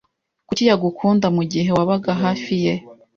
Kuki yagukunda mugihe wabaga hafi ye